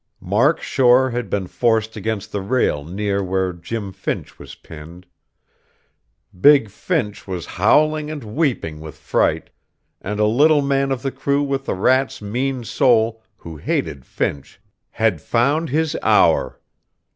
Mark Shore had been forced against the rail near where Jim Finch was pinned. Big Finch was howling and weeping with fright; and a little man of the crew with a rat's mean soul who hated Finch had found his hour.